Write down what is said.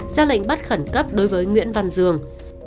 ra lệnh bắt khẩn cấp đối với nguyễn văn dương